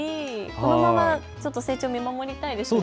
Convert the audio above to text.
このまま成長を見守りたいですね。